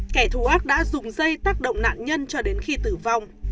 kẻ thù ác đã dùng dây tác động nạn nhân cho đến khi tử vong